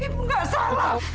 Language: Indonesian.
ibu gak salah